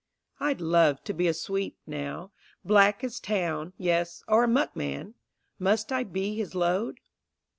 I'd love to be a sweep, now, black as Town, Yes, or a muckman. Must I be his load?